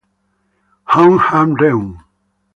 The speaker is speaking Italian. Hong Ah-reum